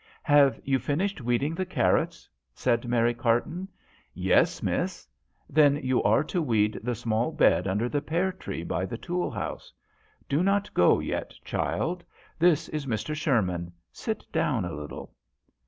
" Have you finished weeding the carrots ?" said Mary Carton. " Yes, Miss." " Then you are to weed the small bed under the pear tree by the tool house. Do not go yet, child. This is Mr. Sherman. Sit down a little."